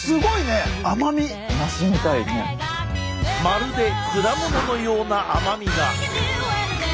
まるで果物のような甘みが！